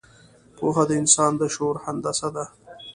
پوهه د انسان د شعور هندسه ده.